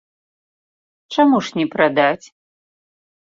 Чаму ж не прадаць?